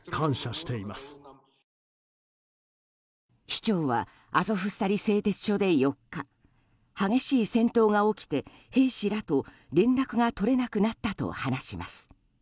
市長はアゾフスタリ製鉄所で４日、激しい戦闘が起きて兵士らと連絡が取れなくなったと話します。